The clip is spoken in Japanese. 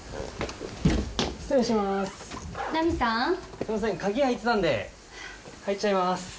すいません鍵開いてたんで入っちゃいます。